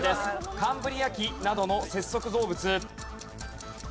カンブリア紀などの節足動物。